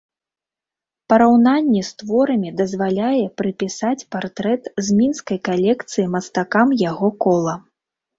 Параўнанне з творамі дазваляе прыпісаць партрэт з мінскай калекцыі мастакам яго кола.